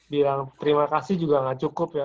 bilang terima kasih juga gak cukup ya